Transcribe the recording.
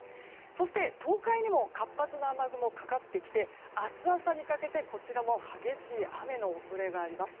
そして東海にも活発な雨雲がかかってきて明日朝にかけてこちらも激しい雨の恐れがあります。